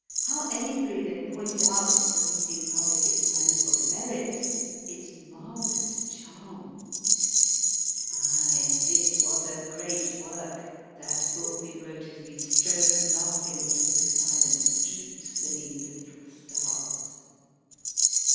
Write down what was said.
How ably they pointed out to the reading public its manifold merits, its marvellous charm ! Aye, it was a great work, that book we wrote as we strode laughing through the silent streets, beneath the little stars.